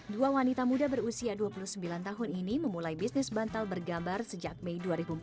dua wanita muda berusia dua puluh sembilan tahun ini memulai bisnis bantal bergambar sejak mei dua ribu empat belas